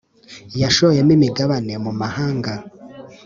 Yashoyemo imigabane mu mahanga